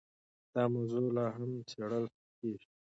دا موضوع لا هم څېړل کېږي.